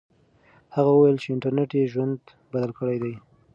هغه وویل چې انټرنیټ یې ژوند بدل کړی دی.